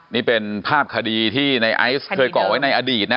นี่เป็นภาพคดีที่ในไอซ์เคยก่อไว้ในอดีตนะ